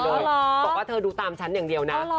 บอกว่าเธอดูตามฉันอย่างเดียวนะ